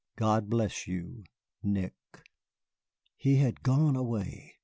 God bless you! NICK." He had gone away!